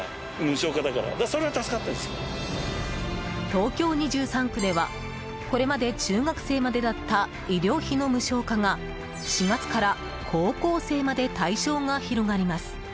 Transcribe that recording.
東京２３区ではこれまで中学生までだった医療費の無償化が、４月から高校生まで対象が広がります。